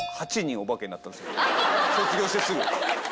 卒業してすぐ。